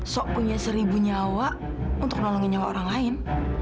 so punya seribu nyawa untuk nolongin nyawa orang lain